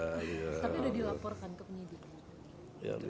tapi sudah dilaporkan ke penyidik